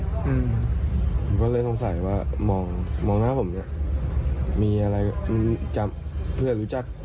ผมก็เลยสงสัยว่ามองมองหน้าผมเนี่ยมีอะไรมันจะเพื่อนรู้จัก